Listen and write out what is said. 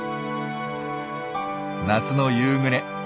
夏の夕暮れ